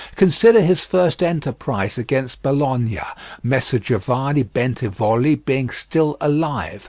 Consider his first enterprise against Bologna, Messer Giovanni Bentivogli being still alive.